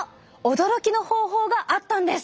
驚きの方法があったんです！